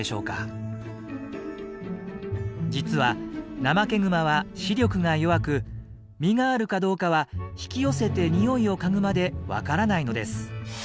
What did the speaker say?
実はナマケグマは視力が弱く実があるかどうかは引き寄せてにおいを嗅ぐまで分からないのです。